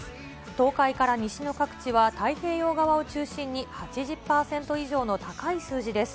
東海から西の各地は太平洋側を中心に８０％以上の高い数字です。